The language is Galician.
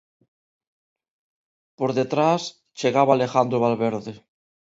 Por detrás chegaba Alejandro Valverde.